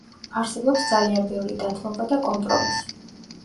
არსებობს ძალიან ბევრი დათმობა და კომპრომისი.